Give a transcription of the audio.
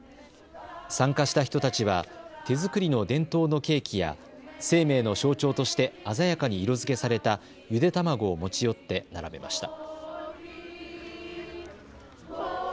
参加した人たちは手作りの伝統のケーキや生命の象徴として鮮やかに色づけされたゆで卵を持ち寄って並べました。